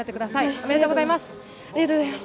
おめでとうございます。